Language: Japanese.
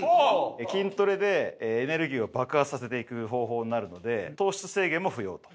筋トレでエネルギーを爆発させていく方法になるので糖質制限も不要と。